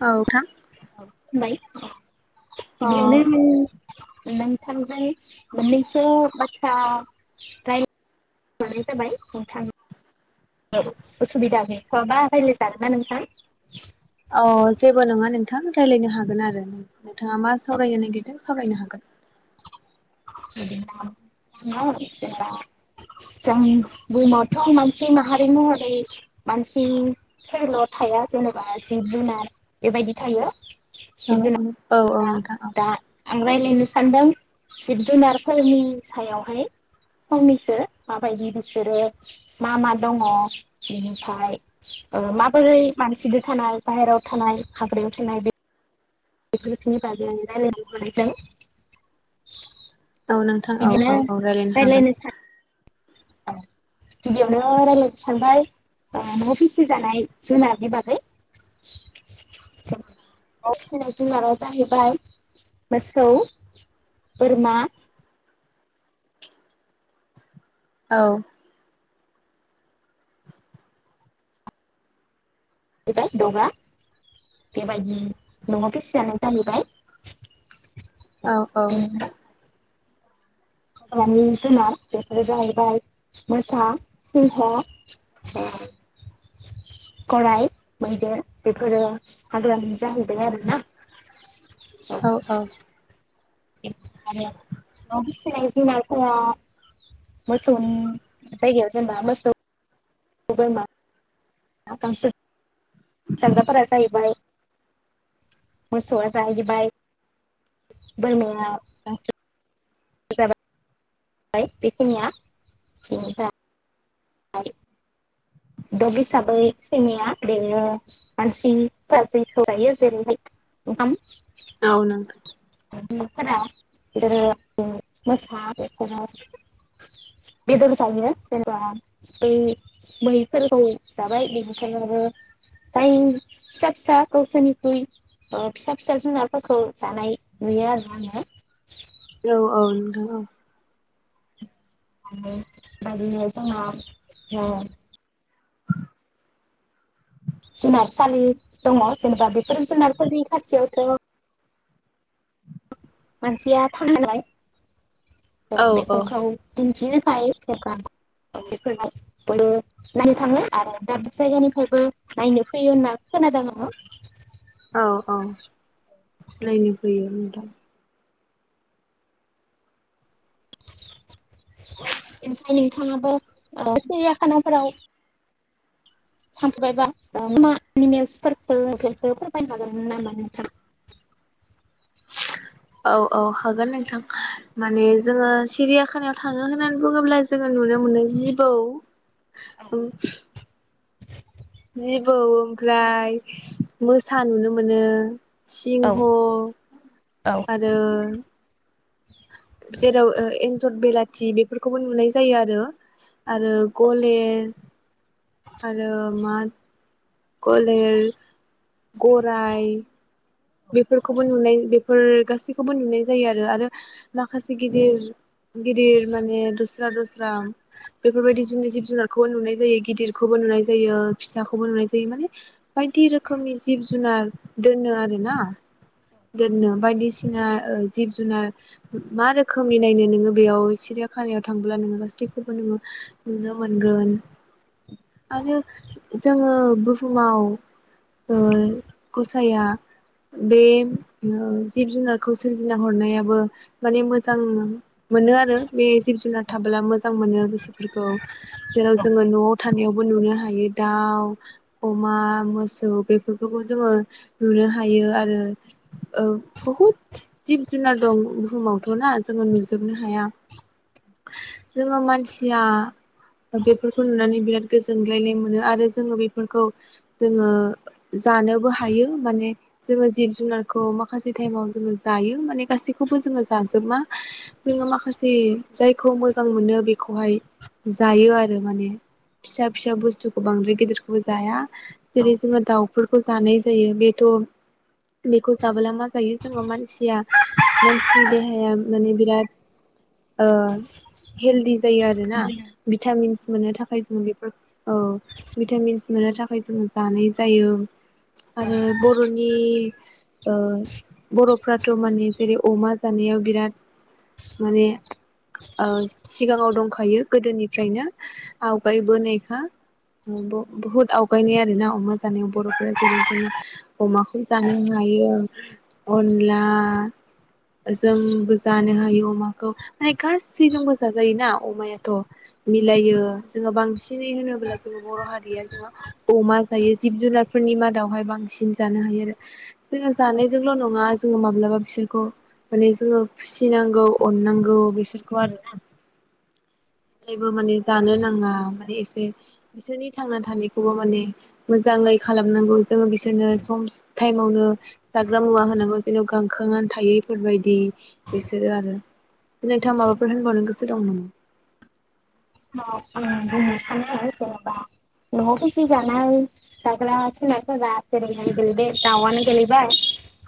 औ नोंथां बाय अ बिदिनो नोंथांजों मोननैसो बाथ्रा रायलाय बावनाय जाबाय नोंथां औ उसुबिदा गैथ'याबा रायलाय जागोना नोंथां अ जेबो नङा नोंथां रायलायनो हागोन आरो नोंथाङा मा सावरायनो नागिरदों सावरायनो हागोन [unintelligible] जों बुहुमावथ' मानसि माहारि महरै मानसि फोरल' थाया जेनेबा जिब जुनार बेबायदि थायो औ जिब औ औ जुनार नोंथां औ दा आं रायलायनो सानदों जिब जुनारफोरनि सायावहाय फंनैसो माबायदि बिसोरो मा मा दङ बेनिफ्राय ओ माबोरै मानसिदो थानाय बाहेरायाव थानाय हाग्रायाव थानाय बे बिफोरनि बागै रायलायनो मोन जों औ नोंथां औ औ औ रायलायनो हागोन सान गिबियावनो रायलायनो सानबाय ओ न'आव फिसिजानाय जुनारनि बागै [unintelligible] जुनारा जाहैबाय मोसौ बोरमा औ जाहैबाय दगा बेबायदि न'आव फिसि जानाय जाहैबाय औ औ बेनिफ्राय हाग्रानि जुनार बेफोरो जाहैबाय मोसा सिंह ओम गराइ मैदेर बेफोरो हाग्रानि जाहैबाय आरोना आरो औ औ [unintelligible] फिसिनाय जुनारफोरा मोसौनि जायगायाव जेनबा मोसौ [unintelligible] बोरमा [unintelligible] जाग्राफोरा जाहैबाय मोसौ बोरमाया जाबय बाय बेखिनिया आरो दग हिसाबै सैमाया बेनो मानसिफोरा जेखौ जायो जेरैहाय ओंखाम औ नोंथां [unintelligible] फोरा मोसा बेफोर बेदर जायो जेनेबा बै मै [unintelligible] जाबाय बेनिखायनो जाय फिसा फिसा गावसोरनिख्रुइ फिसा फिसा जुनारफोरखौ जानाय नुयो आरो आङो। औ औ नोंथां औ जोंहा ओ जुनारसालि दङ जेनेबा बेफोर जुनारफोरनि खाथियावथ' मानसिया थां [unintelligible] औ बेफोरखौ [unintelligible] बयबो नायनो थाङो आरो दाबसे जायगानिफ्रायबो नायनो फैयो होनना खोनादों आङो औ औ आङो नायनो फैयो नोंथां ओमफाय नोंथाङाबो खानाफोराव थांफेरबायबा मा एनिमेल्सफोरखौ फोरमायनो हागोनमोन नामा नोंथां? औ औ हागोन नोंथां माने जोङो सिरियाखानायाव थाङो होननानै बुङोब्ला जोङो नुनो मोनो जिबौ जिबौ ओमफ्राय मोसा नुनो मोनो सिंह आरो जेराव एनजर बेला थि बेफोरखौबो नुनाय जायो आरो आरो गलेर आरो मा गलेर गराइ बेफोरखौबो नुनाय बे बेफोर गासैखौबो नुनाय जायो आरो आरो माखासे गिदिर गिदिर माने दस्रा दस्रा बेफोरबायदि जुननि जिब जुनारखौबो नुनाय जायो गिदिरखौबो नुनाय जायो फिसाखौबो नुनाय जायो माने बायदि रोखोमनि जिब जुनार दोनो आरो ना दोननो बायदिसिना जिब जुनार मा रोखोमनि नायनो नोङो बेयाव सिरियाखानायाव थांब्ला नोङो गासैखौबो नोङो नुनो मोनगोन आरो जोङो बुहुमाव ओ गसाइया बे ओ जिब जुनारखौ सोरजिना हरनायाबो माने मोजां मोनो आरो बे जिब जुनार थाबोला मोजां मोजां मोनो गोसोफोरखौ जेराव जोङो न'आव थानायावबो नुनो हायो दाउ अमा मोसौ बेफोरखौ जोङो नुनो हायो आरो ओ बहुद जिब जुनार दं बुहुमावथ'ना जोङो नुजोबनो हाया जोङो मानसिया बेफोरखौ नुनानै बिराद गोजोनग्लायनाय मोनो आरो जोङो बेफोरखौ जोङो जानोबो हायो माने जोङो जिब जुनारखौ माखासे टाइमाव जोङो जायो माने गासैखौबो जोङो जाजोबा जोङो माखासे जायखौ मोजां मोनो बेखौहाय जायो आरो माने फिसा फिसा बुस्थु बांद्राय गेदिरखौबो जाया। जेरै जोङो दाउफोर खौ जानाय जायो बेथ' बेखौ जाबोला मा जायो जोङो मानसिया मानसिनि देहाया माने बिराद ओ हेलदि जायो आरोना भिटामिन्स मोननो थाखाय थाखाय जोङो बे औ भिटामिन्स मोननो थाखाय जोङो जानाय जायो आरो बर'नि ख्रि ओ बर'फ्राथ' माने जेरै अमा जानायाव बिराद माने ओ सिगाङाव दंखायो गोदोनिफ्रायनो आवगायबोनायखा बुहुद आवगायनाय आरोना अमा जानायाव बर'फोरा जेरै जोङो अमाखौ जानो हायो ओमफ्रा अनला जोंबो जानो हायो अमाखौ माने गासैजोंबो जाजायोना अमायाथ' मिलायो जोङो बांसिनै होनोब्ला जोङो बर' हारिया जोङो अमा जायो जिब जुनारफोरनि मादावहाय बांसिन जानो हायो आरो जोङो जानायजोंल' नङा जोङो माब्लाबा बिसोरखौ माने जोङो फिसिनांगौ अननांगौ बिसोरखौ आरोना। जेबो माने जानो नाङा माने एसे बिसोरनि थांना थानायखौबो माने मोजाङै खालामनांगौ जोङो बिसोरनो सम स टाइमावनो जाग्रा मुवा होनांगौ जेन' गांखांनानै थायैफोरबायदि बिसोरो आरो नोंथाङा माबाफोर होनबावनो गोसो दं नामा? औ आं बुंनो सानो जेनेबा न'आव फिसिजानाय जाग्रा जुनारफोरा जेरैहाय बे दाउआनो गेलैबाय।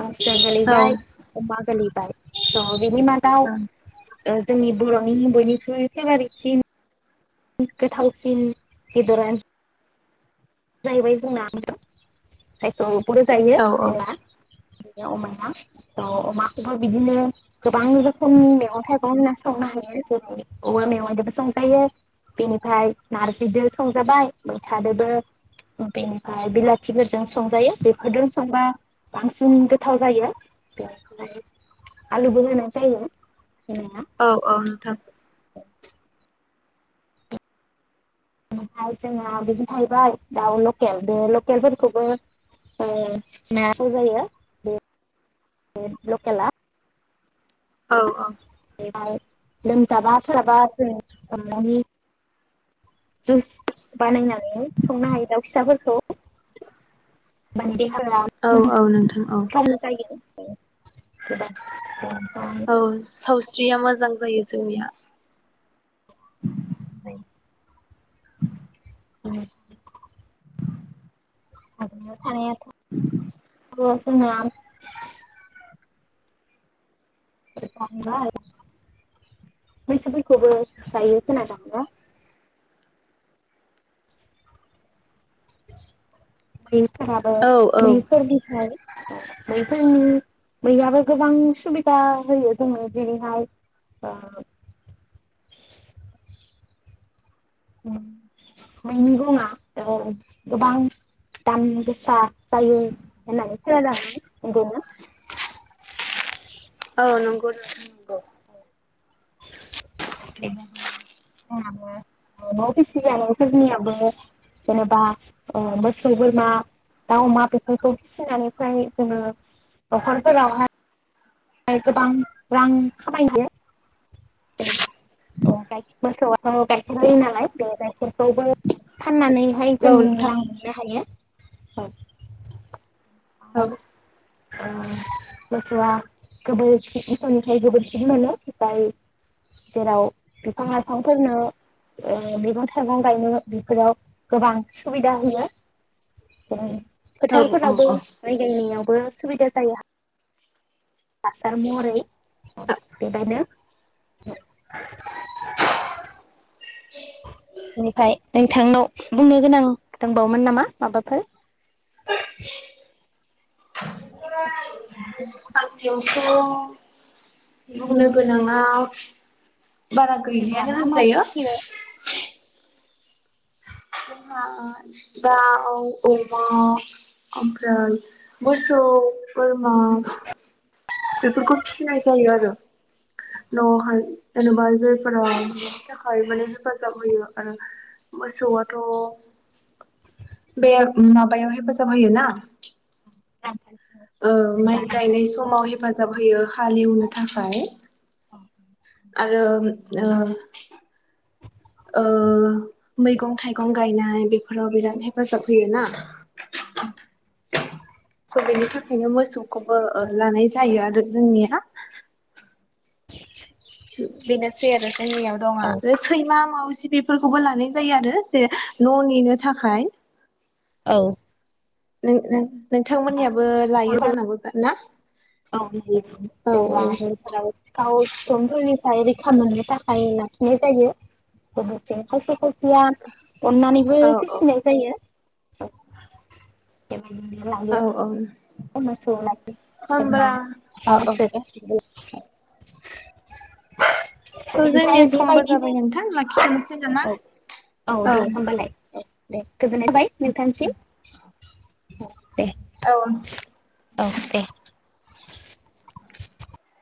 हांसो औ गोलैबाय अमा गोलैबाय। औ। बिनि मादाव ओ जोंनि बर'नि बयनिख्रुइ फेभारेटसिन गोथावसिन बेदरा जाहैबाय जोंनादों जायखौ बर जायो औ जोंना बिनो अमाया थ' अमाखौबो बिदिनो गोबां रोखोम मैगं थाइगं होनना संनो हायो जेरै औवा मेवाइजदोबो संजायो बेनिफ्राय नारजिदो संजाबाय मैथादोबो बेनिफाय बिलाथिफोरजों संजायो बेफोरजों संबा बांसिन गोथाव जायो बेनिफ्राय आलुबो होनाय जायो। औ औ नोंथां। औ ओमफ्राय जोंना बिदि जाहैबाय दाउ लकेल बे लकेल फोरखौबो नायांगौ जायो बे लकेला औ औ ओफाय लोमजाबा साबा जों सनानै जुइस बानायनानै संनो हायो दाउ फिसाफोरखौ मानदे [unintelligible] औ औ नोंथां औ जायो ओ गोबां दं औ सावस्रिया मोजां जायो जोंनिया मोजां जायो उम [unintelligible] थानाया [inaudible] औ जोंना [unintelligible] [inaudible] फोराबो औ औ मैफोरनिफ्राय बैफोरनि मैयाबो गोबां सुबिदा होयो जोंनो जेरैहाय ओ मैनि गंङाथ गोबां दाम गोसा जायो होननानै खोनादों आंङो ओरैनो औ नंगौ नोंथां नंगौ [inaudible] फिसिजानायफोरनियाबो जेनेबा मोसौ बोरमा दा अमा बेफोरखौ फिसिनानै फ्राय जोङो नखरफोरावहाय फ्राय गोबां रां खामाय हायो [unintelligible] फाननानैहाय जों औ नोंथां रां मोननो हायो औ आस औ ओ गोसोआ गोबोरखि इसनिफ्राय गोबोरखि मोनो फाय जेराव बिफां लाइफांफोरनो मैगं थाइगं गायनो बेफोराव गोबां सुबिदा होयो जेरै औ फोथारफोरावबो औ औ माइ गायनायावबो सुबिदा जाया हासार महरै बेबायनो बेनिफ्राय नोंथांनाव बुंनो गोनां दंबावोमोन नामा माबाफोर [inaudible] आं [unintelligible] बुंनो गोनाङाव बारा जेब्ला गैलियानो मा मा होनजायो फिसियो औ जोंहा दाउ अमा आमफ्राय मोसौ बोरमा बेफोरखौ फिसिनाय जायो आरो न'हाय जेनेबा जायफोरा बिनि थाखाय माने हेफाजाब होयो आरो मोसौआथ' बे माबायाव हेफाजाब होयो ना आमफाय ओ माइ गायनाय समाव हेफाजाब होयो हालेवनो थाखाय आ रो ओ ओ मैगं थाइगं गायनाय बेफोराव बिराद हेफाजाब होयो ना? [inaudible] बेनि थाखायनो मोसौखौबो लानाय जायो आरो जोंनिया बेनोसै आरो जोंनियाव दं आ सैमा माउज [unintelligible] बेफोरखौबो लानाय जायो आरो जे न' नेनो थाखाय औ नों नों- नोंथांमोननियाबो लायो जानांगौ ना? [unintelligible] [inaudible] औ अननानैबो औ फिसिनाय जायो बेबायदिनो औ लायो औ होमब्ला औ औ [unintelligible] [unintelligible] स' जोंनिया ओमफ्राय समबो बेबायदिनो जाबाय नोंथां लाखिथ'नोसै नामा औ दे औ। होमबालाय दे गोजोननाय थाबाय। नोंथांनिसिम। देह देह। औ। अके।